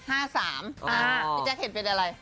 พี่แจ๊คเห็นเป็นอะไร